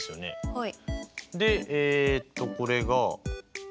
はい。